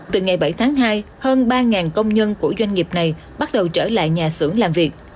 từ ngày bảy tháng hai hơn ba công nhân của doanh nghiệp này bắt đầu trở lại nhà xưởng làm việc